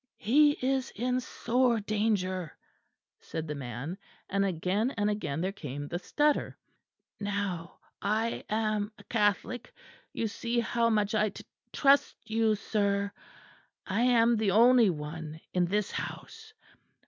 "He is in sore danger," said the man, and again and again there came the stutter. "Now I am a Catholic: you see how much I t trust you sir. I am the only one in this house.